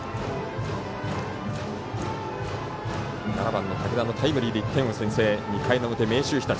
７番の武田のタイムリーで１点を先制、２回の表、明秀日立。